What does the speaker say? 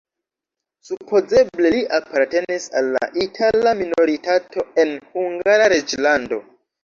Supozeble li apartenis al la itala minoritato en Hungara reĝlando.